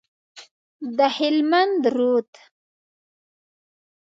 د هلمند رود،